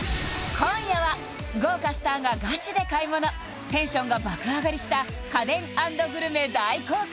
今夜は豪華スターがガチで買い物テンションが爆上がりした家電＆グルメ大公開